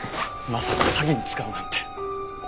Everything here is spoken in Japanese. まさか詐欺に使うなんて。